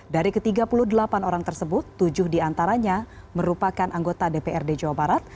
dari ke tiga puluh delapan orang tersebut tujuh diantaranya merupakan anggota dprd jawa barat